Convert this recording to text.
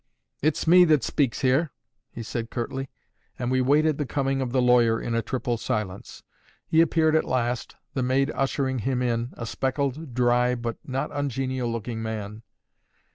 "It's me that speaks here," he said curtly; and we waited the coming of the lawyer in a triple silence. He appeared at last, the maid ushering him in a spectacled, dry, but not ungenial looking man.